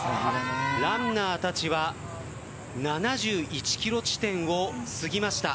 ランナーたちは７１ｋｍ地点を過ぎました。